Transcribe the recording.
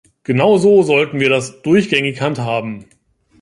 Genauso sollten wir das durchgängig handhaben.